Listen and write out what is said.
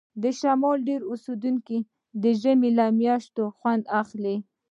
د شمال ډیری اوسیدونکي د ژمي له میاشتو خوند اخلي